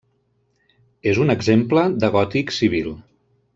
És un exemple de gòtic civil.